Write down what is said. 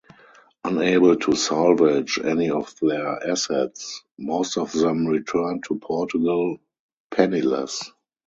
Unable to salvage any of their assets, most of them returned to Portugal penniless.